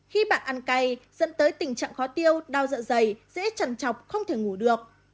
khi bạn ăn cay dẫn tới tình trạng khó tiêu đao dạ dày dễ chẳng chọc không thể ngủ được